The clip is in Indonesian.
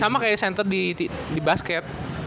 sama kayak center di basket